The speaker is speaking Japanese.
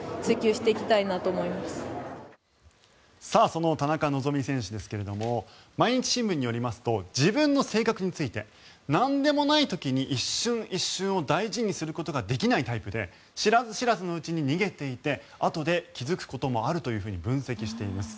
その田中希実選手ですが毎日新聞によりますと自分の性格についてなんでもない時に一瞬一瞬を大事にすることができないタイプで知らず知らずのうちに逃げていて後で気付くこともあると分析しています。